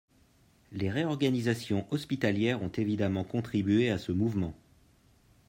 Les réorganisations hospitalières ont évidemment contribué à ce mouvement.